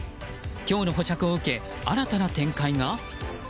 今日の保釈を受け新たな展開が？